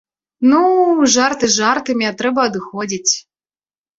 Ну, жарты жартамі, а трэба адыходзіць.